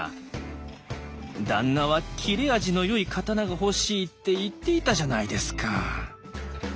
旦那は切れ味のよい刀が欲しいって言っていたじゃないですか」。